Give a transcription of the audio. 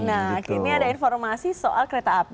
nah kini ada informasi soal kereta api